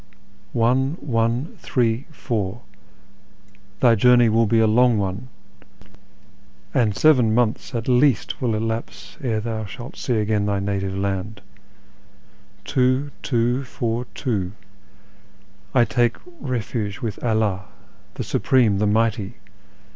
One, one, three, four ; thy journey will be a long one, and seven months at FROM THE PERSIAN FRONTIER TO TABR/Z 53 least will elapse ere thou slialt see again thy native land. Tivo, two, four, two ; I take refuge with Allah, the Supreme, the Mighty!